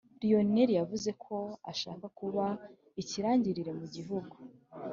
Lionel yavuzeko ashaka kuba ikirangirire mu gihugu